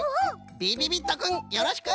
びびびっとくんよろしく！